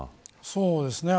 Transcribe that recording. そうですね。